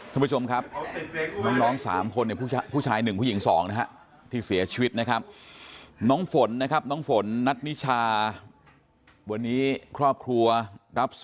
ทุกผู้ชมครับ